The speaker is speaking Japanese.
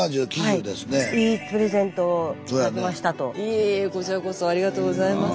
いえいえこちらこそありがとうございます。